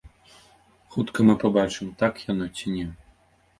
Хутка мы пабачым, так яно ці не.